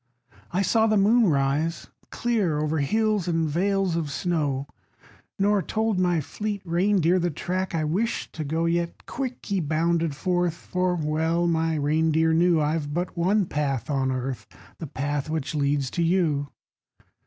I saw the moon rise clear O'er hills and vales of snow Nor told my fleet reindeer The track I wished to go. Yet quick he bounded forth; For well my reindeer knew I've but one path on earth The path which leads to you.